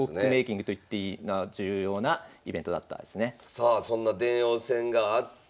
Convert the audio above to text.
さあそんな電王戦があって。